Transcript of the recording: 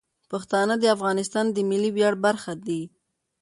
پښتانه د افغانستان د ملي ویاړ برخه دي.